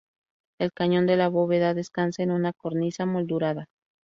El cañón de la bóveda descansa en una cornisa moldurada.